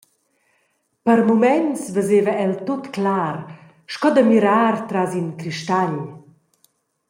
Per muments veseva el tut clar, sco da mirar tras in cristagl.